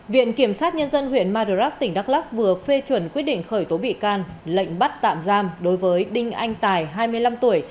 viện kiểm sát nhân dân huyện madrak tỉnh đắk lắc vừa phê chuẩn quyết định khởi tố bị can lệnh bắt tạm giam đối với đinh anh tài hai mươi năm tuổi